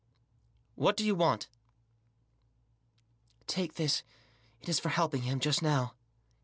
" What do you want ?"" Take this, it is for helping him just now."